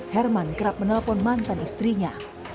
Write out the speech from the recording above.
herman kerap menelpon mantan istrinya